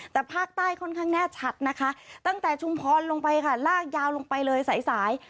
แต่ภาคใต้ค่อนข้างแน่ชัดนะคะตั้งแต่ชุมพรลงไปค่ะลากยาวลงไปเลยสายสาย